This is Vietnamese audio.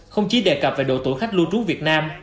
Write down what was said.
không chỉ đề cập về độ tuổi khách lưu trú việt nam